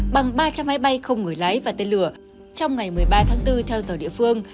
bằng ba trăm linh máy bay không người lái và tên lửa trong ngày một mươi ba tháng bốn theo giờ địa phương